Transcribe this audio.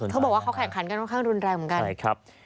เขาบอกว่าเขาแข่งขันกันค่อนข้างรุนแรงเหมือนกันใช่ครับ